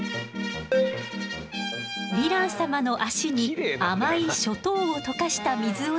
ヴィラン様の足に甘いショ糖を溶かした水をつけると。